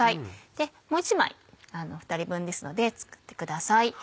でもう１枚２人分ですので作ってください。